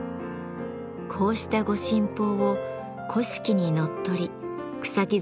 こうした御神宝を古式にのっとり草木